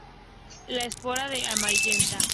La esporada es amarillenta.